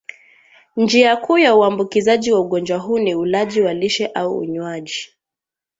Njia kuu ya uambukizaji wa ugonjwa huu ni ulaji wa lishe au unywaji